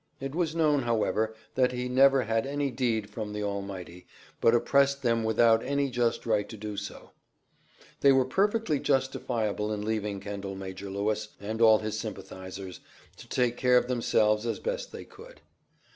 It was known, however, that he never had any deed from the Almighty, but oppressed them without any just right so to do; they were perfectly justifiable in leaving Kendall Major Lewis, and all his sympathizers, to take care of themselves as best they could.